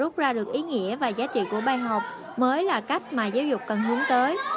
trao được ý nghĩa và giá trị của bài học mới là cách mà giáo dục cần hướng tới